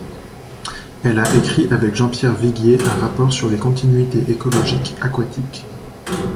Elle a écrit avec Jean-Pierre Vigier un rapport sur les continuités écologiques aquatiques.